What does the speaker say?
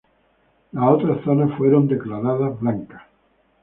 Las otras zonas fueron declaradas "blancas".